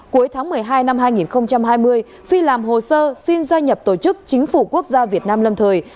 cuối tháng một mươi hai năm hai nghìn hai mươi phi làm hồ sơ xin gia nhập tổ chức chính phủ quốc gia việt nam lâm thời